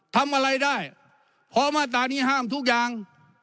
ทำอะไรได้เพราะมาตรานี้ห้ามทุกอย่าง